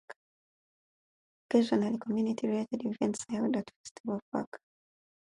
Occasionally, community-related events are held at Festival Park.